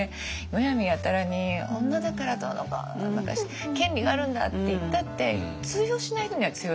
むやみやたらに女だからどうのこうのとか権利があるんだって言ったって通用しない人には通用しない正直。